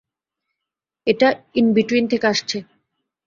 এটা in between থেকে আসছে।